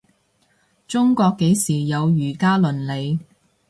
中國幾時有儒家倫理